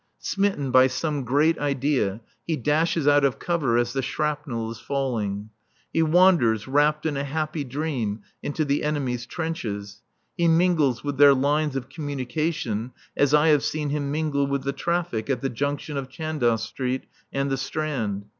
Smitten by some great idea, he dashes out of cover as the shrapnel is falling. He wanders, wrapped in a happy dream, into the enemies' trenches. He mingles with their lines of communication as I have seen him mingle with the traffic at the junction of Chandos Street and the Strand.